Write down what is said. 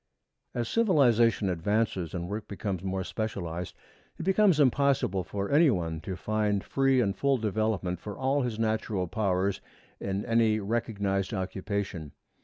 As civilization advances and work becomes more specialized, it becomes impossible for any one to find free and full development for all his natural powers in any recognized occupation.